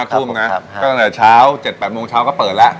ทุ่มนะตั้งแต่เช้า๗๘โมงเช้าก็เปิดแล้ว